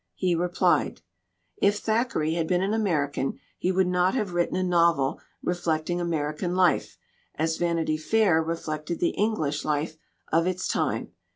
He replied: "If Thackeray had been an American he would not have written a novel reflecting American life as Vanity Fair reflected the English life of its time.